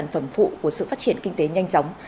sản phẩm phụ của sự phát triển kinh tế nhanh chóng